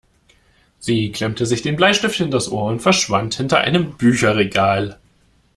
Sie klemmte sich den Bleistift hinters Ohr und verschwand hinter einem Bücherregal.